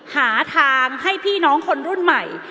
หาทางให้พี่น้องคนรุ่นใหม่